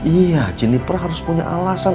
iya jenniper harus punya alasan